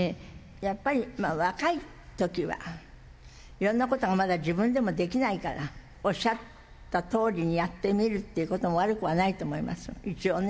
やっぱり、若いときは、いろんなことがまだ自分でもできないから、おっしゃったとおりにやってみるということも、悪くはないと思います、一応ね。